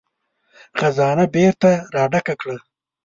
خزانه بېرته را ډکه کړه.